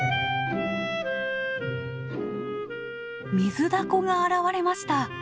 ミズダコが現れました。